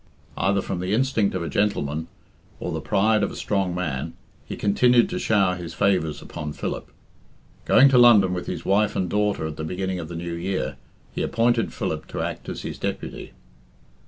Either from the instinct of a gentleman, or the pride of a strong man, he continued to shower his favours upon Philip. Going to London with his wife and daughter at the beginning of the new year, he appointed Philip to act as his deputy.